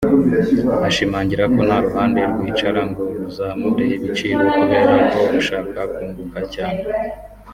Ashimangira ko nta ruhande rwicara ngo ruzamure ibiciro kubera ko rushaka kunguka cyane